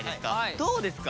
どうですか？